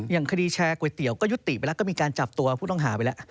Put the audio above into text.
อย่างคดีแชร์ก๋วยเตี๋ยวก็ยุติไปแล้วก็มีการจับตัวผู้ต้องหาไปแล้ว